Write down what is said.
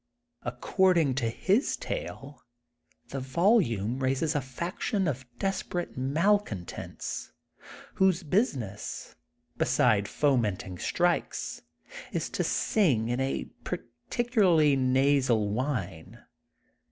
Accord ing to his tale the volume raises a faction of desperate malcontents, whose business, beside fomenting strikes, is to sing in a particularly nasal whine.